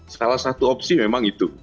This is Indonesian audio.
salah satu opsi memang itu